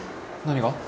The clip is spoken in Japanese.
何が？